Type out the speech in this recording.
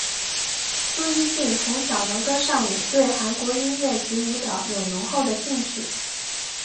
苏一晋从小能歌善舞对韩国音乐及舞蹈有浓厚的兴趣。